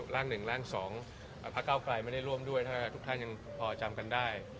ร่างหนึ่งร่าง๒พักเก้าไกลไม่ได้ร่วมด้วยถ้าทุกท่านยังพอจำกันได้